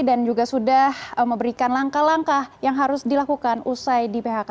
dan juga sudah memberikan langkah langkah yang harus dilakukan usai di phk